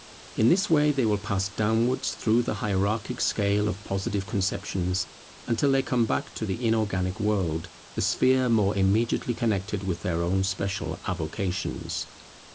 In this way they will pass downwards through the hierarchic scale of Positive conceptions, until they come back to the inorganic world, the sphere more immediately connected with their own special avocations.